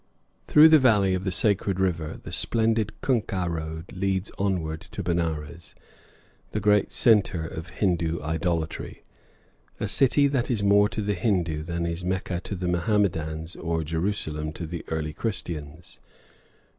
Through the valley of the sacred river, the splendid kunkah road leads onward to Benares, the great centre of Hindoo idolatry, a city that is more to the Hindoo than is Mecca to the Mohammedans or Jerusalem to the early Christians.